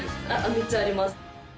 めっちゃあります。